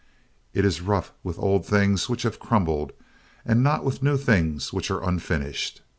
It is rough with old things which have crumbled and not with new things which are unfinished.